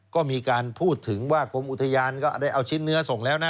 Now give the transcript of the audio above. ก็มีการพูดถึงว่ากรมอุทยานก็ได้เอาชิ้นเนื้อส่งแล้วนะ